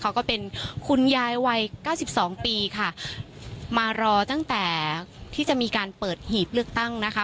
ก็เป็นคุณยายวัยเก้าสิบสองปีค่ะมารอตั้งแต่ที่จะมีการเปิดหีบเลือกตั้งนะคะ